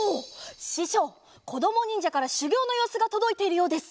ししょうこどもにんじゃからしゅぎょうのようすがとどいているようです。